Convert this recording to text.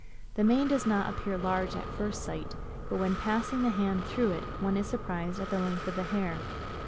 The mane does not appear large at first sight, but when passing the hand through it one is surprised at the length of the hair.